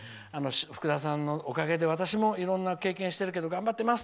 ふくださんのおかげで私もいろんな経験をしているので頑張ってます！